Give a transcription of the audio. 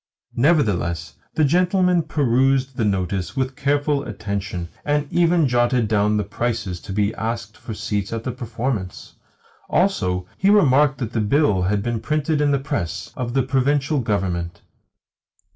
Nevertheless the gentleman perused the notice with careful attention, and even jotted down the prices to be asked for seats for the performance. Also, he remarked that the bill had been printed in the press of the Provincial Government.